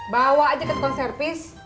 bawa aja ke tukang service